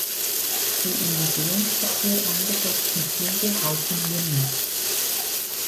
Die im Museumsverkehr eingesetzten Züge halten hier nicht.